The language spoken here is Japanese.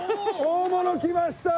大物きました！